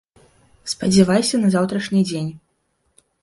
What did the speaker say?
Спадзявайся на заўтрашні дзень.